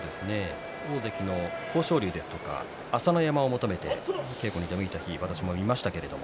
大関の豊昇龍ですとか朝乃山を求めて稽古に出向いた日私もいました。